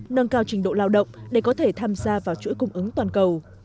nâng cao trình độ lao động để có thể tham gia vào chuỗi cung ứng toàn cầu